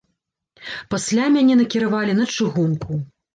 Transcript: Пасля мяне накіравалі на чыгунку.